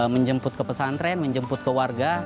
menjemput ke pesantren menjemput ke warga